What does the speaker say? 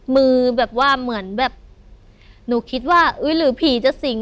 มือแบบว่าเหมือนแบบหนูคิดว่าอุ้ยหรือผีจะสิง